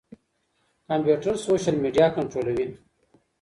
کمپيوټر سوشل ميډيا کنټرولوي.